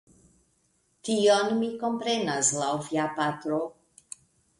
Tion mi komprenas laŭ via patro.